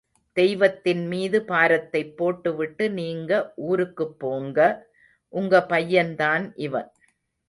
தெய்வத்தின்மீது பாரத்தைப் போட்டு விட்டு நீங்க ஊருக்குப்போங்க!... உங்க பையன்தான் இவன்.